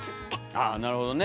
ああなるほどね。